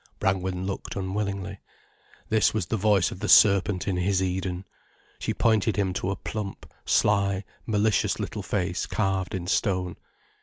Brangwen looked unwillingly. This was the voice of the serpent in his Eden. She pointed him to a plump, sly, malicious little face carved in stone.